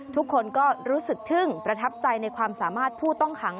ทุกคนก็รู้สึกทึ่งประทับใจในความสามารถผู้ต้องขัง